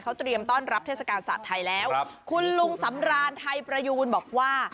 เขาเตรียมต้อนรับเทศกาลศาสตร์ไทยแล้วคุณลุงสำรานไทยประยูนบอกว่า